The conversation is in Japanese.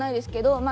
まあ